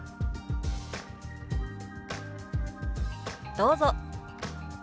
どうぞ。